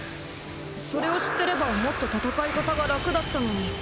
それを知ってればもっと戦い方が楽だったのに。